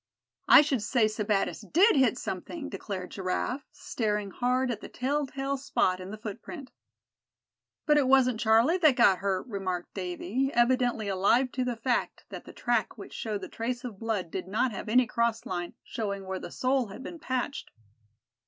"I should say Sebattis did hit something!" declared Giraffe, staring hard at the tell tale spot in the footprint. "But it wasn't Charlie that got hurt," remarked Davy, evidently alive to the fact that the track which showed the trace of blood did not have any cross line, showing where the sole had been patched.